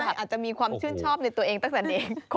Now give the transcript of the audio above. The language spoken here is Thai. อาจจะมีความชื่นชอบในตัวเองตั้งแต่นี้